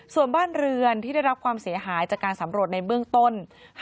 ส่วนบ้านเรือนที่ได้รับความเสียหายจากการสำรวจในเบื้องต้น